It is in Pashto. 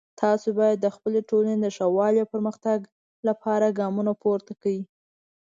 تاسو باید د خپلې ټولنې د ښه والی او پرمختګ لپاره ګامونه پورته کړئ